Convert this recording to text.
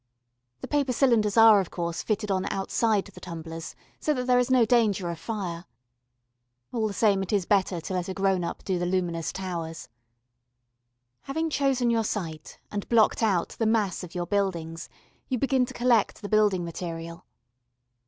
The paper cylinders are, of course, fitted on outside the tumblers so that there is no danger of fire. All the same it is better to let a grown up do the luminous towers. [Illustration: GUARDED ARCH.] Having chosen your site and blocked out the mass of your buildings, you begin to collect the building material.